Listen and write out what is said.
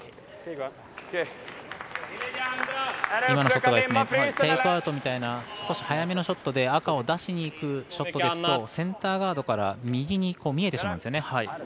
今のショットはテイクアウトみたいな少し速めのショットで赤を出しにいくショットですとセンターガードから右に見えてしまうんですね。